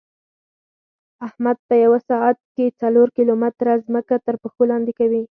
احمد په یوه ساعت کې څلور کیلو متېره ځمکه ترپښو لاندې کوي.